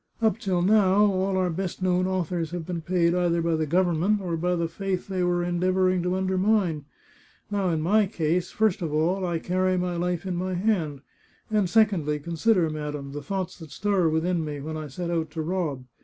Up till now all our best known authors have been 387 The Chartreuse of Parma paid either by the government or by the faith they were en deavouring to undermine. Now, in my case, first of all, I carry my life in my hand, and secondly, consider, madam, the thoughts that stir within me when I set out to rob